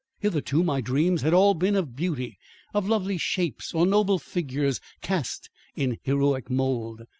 Hitherto my dreams had all been of beauty of lovely shapes or noble figures cast in heroic mould.